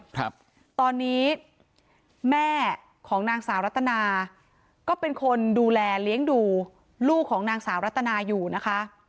ครับตอนนี้แม่ของนางสาวรัตนาก็เป็นคนดูแลเลี้ยงดูลูกของนางสาวรัตนาอยู่นะคะ